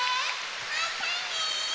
またね！